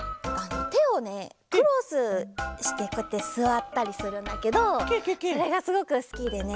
クロスしてこうやってすわったりするんだけどそれがすごくすきでね。